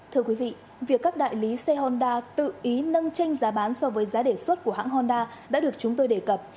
thưa quý vị việc các đại lý xe honda tự ý nâng tranh giá bán so với giá đề xuất của hãng honda đã được chúng tôi đề cập